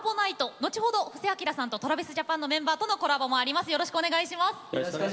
後ほど布施明さんとＴｒａｖｉｓＪａｐａｎとのスペシャルコラボもあります。